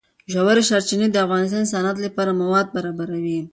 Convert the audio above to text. ژورې سرچینې د افغانستان د صنعت لپاره مواد برابروي.